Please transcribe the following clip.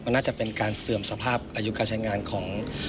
น่าจะเป็นการเสื่อมสภาพอายุการใช้งานของ